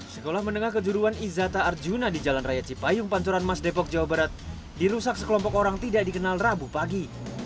sekolah menengah kejuruan izata arjuna di jalan raya cipayung pancoran mas depok jawa barat dirusak sekelompok orang tidak dikenal rabu pagi